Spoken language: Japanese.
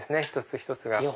一つ一つが。